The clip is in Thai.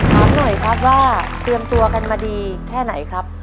ถามหน่อยครับว่าเตรียมตัวกันมาดีแค่ไหนครับ